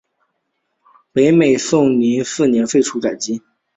北宋熙宁四年废县改镇。